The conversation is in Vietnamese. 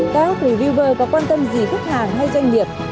các appever có quan tâm gì khách hàng hay doanh nghiệp